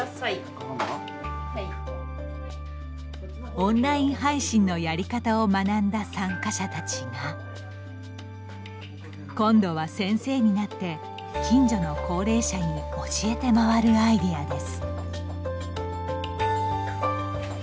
オンライン配信のやり方を学んだ参加者たちが今度は先生になって近所の高齢者に教えて回るアイデアです。